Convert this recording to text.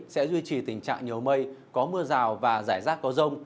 sẽ duy trì tình trạng nhiều mây có mưa rào và rải rác có rông